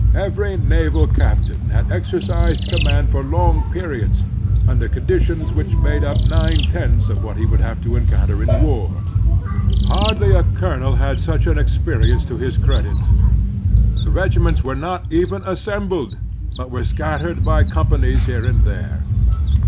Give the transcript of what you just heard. Every naval captain had exercised command for long periods, under conditions which made up nine tenths of what he would have to encotmter in war. Hardly a colonel had such an experience to his credit. The regiments were not even assem bled, but were scattered by companies here and there.